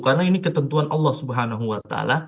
karena ini ketentuan allah swt